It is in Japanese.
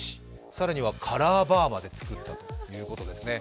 更にはカラーバーまで作ったということですね。